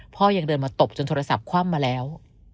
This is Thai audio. ยังเดินมาตบจนโทรศัพท์คว่ำมาแล้ว